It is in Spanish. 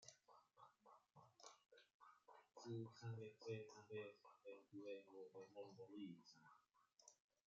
Su cabecera es el pueblo de Zongolica.